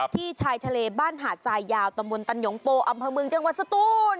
ที่ชายทะเลบ้านหาดทรายยาวตำบลตันหยงโปอำเภอเมืองจังหวัดสตูน